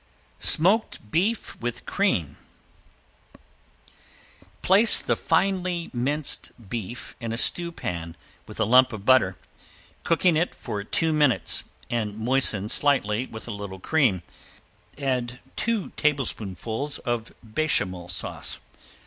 ~SMOKED BEEF WITH CREAM~ Place the finely minced beef in a stewpan with a lump of butter, cooking it for two minutes, and moisten slightly with a little cream, add two tablespoonfuls of bechamel sauce.